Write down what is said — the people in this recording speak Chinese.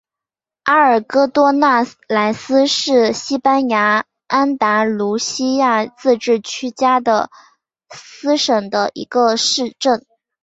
阿尔戈多纳莱斯是西班牙安达卢西亚自治区加的斯省的一个市镇。